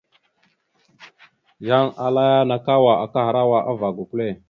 Yan ala : nakawa akahərawa ava gukəle.